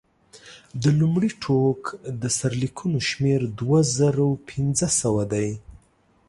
د لومړي ټوک د سرلیکونو شمېر دوه زره پنځه سوه دی.